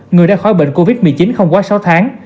người đã khỏi bệnh covid một mươi chín không quá sáu tháng